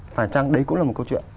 phải chăng đấy cũng là một câu chuyện